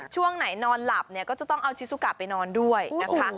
ช่วงไหนนอนหลับเนี่ยก็จะต้องเอาชิซูกะไปนอนด้วยนะคะ